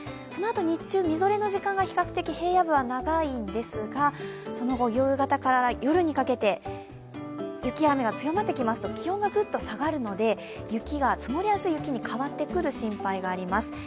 そのあと日中みぞれの時間が比較的、平野部は長いんですがその後夕方から夜にかけて、雪が雨が強まってきますと気温がぐっと下がるので、雪が積もりやすい雪に変わってくる心配があります。